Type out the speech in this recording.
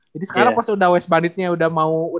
jadi sekarang pas udah ws banditnya udah mau